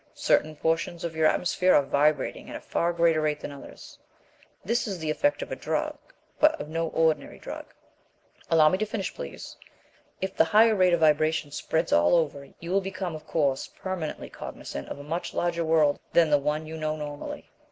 Certain portions of your atmosphere are vibrating at a far greater rate than others. This is the effect of a drug, but of no ordinary drug. Allow me to finish, please. If the higher rate of vibration spreads all over, you will become, of course, permanently cognisant of a much larger world than the one you know normally.